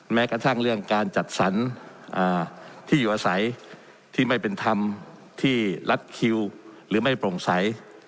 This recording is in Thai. แม้กระทั่งเรื่องการจัดสรรที่อยู่อาศัยที่ไม่เป็นธรรมที่รัดคิวหรือไม่โปร่งใส